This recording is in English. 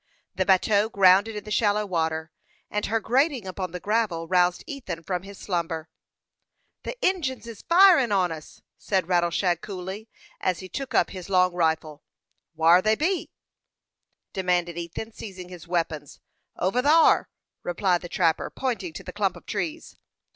The bateau grounded in the shallow water, and her grating upon the gravel roused Ethan from his slumber. "The Injins is firin' on us," said Rattleshag, coolly, as he took up his long rifle. "Whar be they?" demanded Ethan, seizing his weapons. "Over thar," replied the trapper, pointing to the clump of trees.